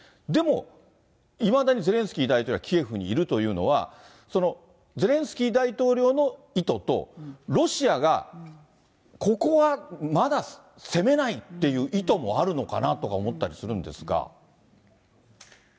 でも、いまだにゼレンスキー大統領がキエフにいるというのは、そのゼレンスキー大統領の意図と、ロシアがここはまだ攻めないっていう意図もあるのかなとか思ったりするんですが。